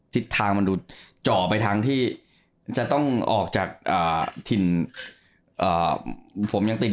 ทิศทางมันดูเจาะไปทางที่จะต้องออกจากถิ่นผมยังติด